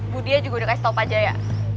budi juga udah kasih tahu pak jaya